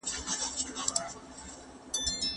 د کرونا وېروس نښې نښانې په بېلابېلو انسانانو کې توپیر لري.